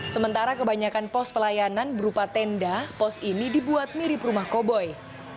sementara kebanyakan pos pelayanan berupa tenda pos ini dibuat mirip rumah koboi